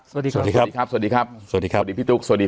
สวัสดีครับสวัสดีครับสวัสดีครับสวัสดีพี่ตุ๊กสวัสดี